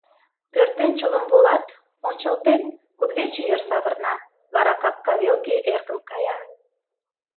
Пӧртӧнчылым волат, ончылтен, кудывече йыр савырна, вара капка велке эркын кая.